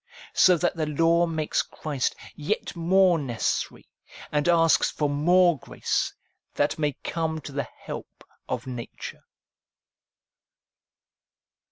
So that the law makes Christ yet more necessary, and asks for more grace, that may come to the help of nature.